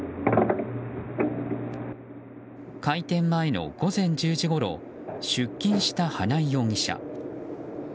開店前の午前１０時ごろ出勤した花井容疑者。